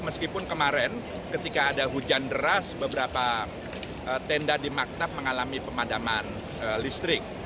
meskipun kemarin ketika ada hujan deras beberapa tenda di maktab mengalami pemadaman listrik